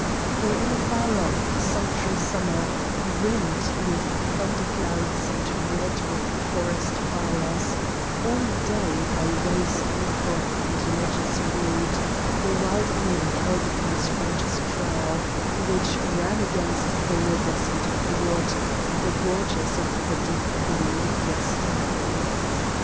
For in a far off, sultry summer, rimmed With thundercloud and red with forest fires, All day, by ways uncouth and ledges rude, The wild men held upon a stranger's trail, Which ran against the rivers and athwart The gorges of the deep blue western hills.